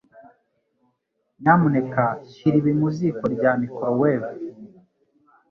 Nyamuneka shyira ibi mu ziko rya microwave.